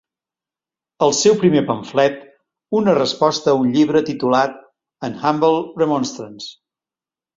El seu primer pamflet, una resposta a un llibre titulat "An Humble Remonstrance".